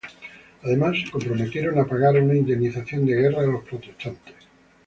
Además se comprometieron a pagar una indemnización de guerra a los protestantes.